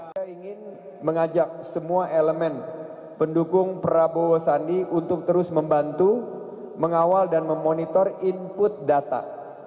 saya ingin mengajak semua elemen pendukung prabowo sandi untuk terus membantu mengawal dan memonitor input data